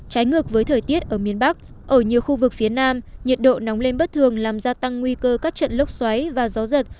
trái ngược với thời tiết ở miền bắc ở nhiều khu vực phía nam nhiệt độ nóng lên bất thường làm gia tăng nguy cơ các trận lốc xoáy và gió giật